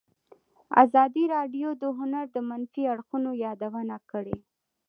ازادي راډیو د هنر د منفي اړخونو یادونه کړې.